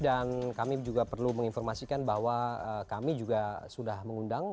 dan kami juga perlu menginformasikan bahwa kami juga sudah mengundang